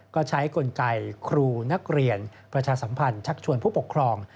ก็ใช้กลไกครูนักเรียนประชาสัมพันธ์ชักชวนผู้ปกครอง